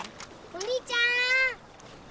お兄ちゃん！